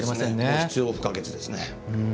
必要不可欠ですね。